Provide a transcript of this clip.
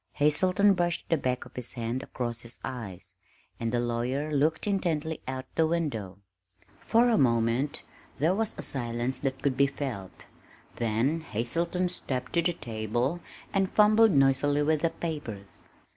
Hazelton brushed the back of his hand across his eyes, and the lawyer looked intently out the window. For a moment there was a silence that could be felt, then Hazelton stepped to the table and fumbled noisily with the papers.